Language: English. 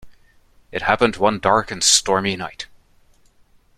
It happened one dark and stormy night.